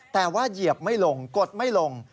แต่ว่าเหยียบไม่ลงกดไม่ลง